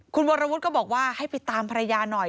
คุณวรวุฒิก็บอกว่าให้ไปตามภรรยาหน่อย